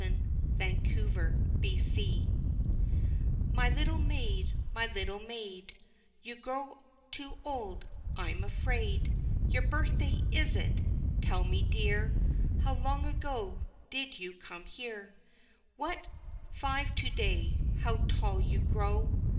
My Little Maid My little maid, my little maid, You grow too old, I am afraid, Your birthday, is it? Tell me dear, How long ago did you come here? What? five to day how tall you grow!